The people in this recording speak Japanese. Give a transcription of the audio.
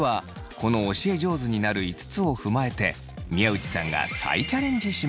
この教え上手になる５つを踏まえて宮内さんが再チャレンジします。